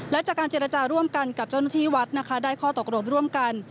และจากการเจรจาร่วมกันกับเจ้าหน้าที่วัดนะคะได้ข้อตกลงร่วมกัน